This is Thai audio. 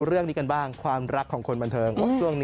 เรื่องนี้กันบ้างความรักของคนบันเทิง